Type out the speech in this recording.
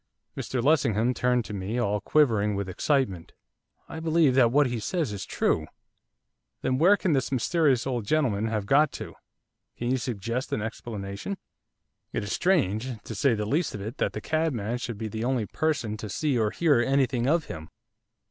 Mr Lessingham turned to me, all quivering with excitement. 'I believe that what he says is true!' 'Then where can this mysterious old gentleman have got to, can you suggest an explanation? It is strange, to say the least of it, that the cabman should be the only person to see or hear anything of him.